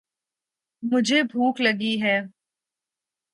مجھے بھوک لگی ہے۔